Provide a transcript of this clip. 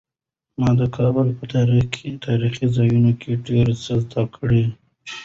ما د کابل په تاریخي ځایونو کې ډېر څه زده کړل.